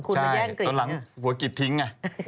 ใช่ตอนหลังหัวกิดทิ้งไง